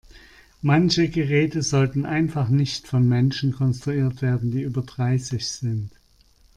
Manche Geräte sollten einfach nicht von Menschen konstruiert werden, die über dreißig sind.